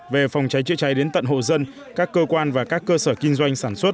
về phòng cháy chữa cháy đến tận hộ dân các cơ quan và các cơ sở kinh doanh sản xuất